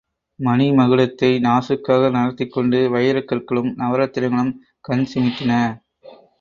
மணிமகுடத்தை நாசூக்காக நகர்த்திக் கொண்டு வைரக்கற்களும் நவரத்தினங்களும் கண் சிமிட்டின.